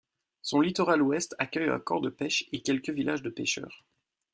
Son littoral ouest accueille un camp de peche et quelques villages de pêcheurs.